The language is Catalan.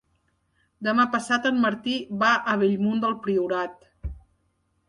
Demà passat en Martí va a Bellmunt del Priorat.